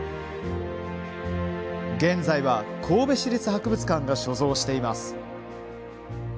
現在は神戸市立博物館が所蔵しています。